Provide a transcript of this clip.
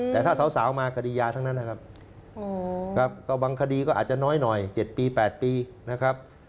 แต่ถ้าสาวมาคดียาทั้งนั้นนะครับก็บางคดีก็อาจจะน้อยหน่อย๗ปี๘ปีนะครับ